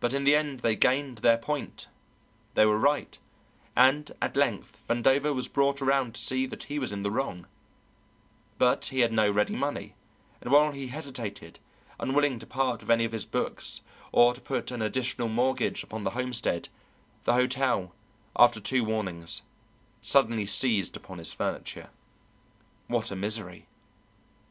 But in the end they gained their point; they were right, and at length Vandover was brought around to see that he was in the wrong, but he had no ready money, and while he hesitated, unwilling to part with any of his bonds or to put an additional mortgage upon the homestead, the hotel, after two warnings, suddenly seized upon his furniture. What a misery!